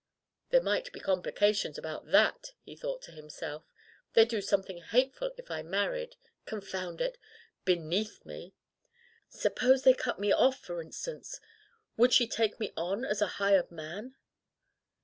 "There might be complications about thaty^ he thought to himself. "They'd do something hateful if I married — confound it! — 'beneath' me. Suppose they cut me off, for instance, would she take me on as a hired man?"